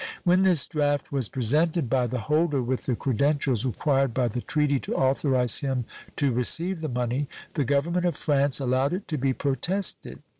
When this draft was presented by the holder with the credentials required by the treaty to authorize him to receive the money, the Government of France allowed it to be protested.